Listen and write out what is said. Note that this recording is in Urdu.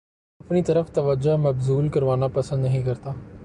اپنی طرف توجہ مبذول کروانا پسند نہیں کرتا